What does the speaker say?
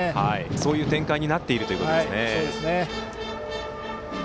そういう展開になっているということですね。